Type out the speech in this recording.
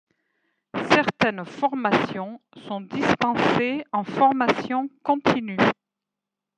Certaines formations sont dispensées en formation continue.